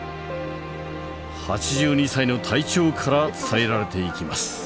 ８２歳の隊長から伝えられていきます。